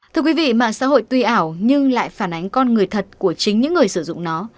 thưa quý vị mạng xã hội tuy ảo nhưng lại phản ánh con người thật của chính những người sử dụng nó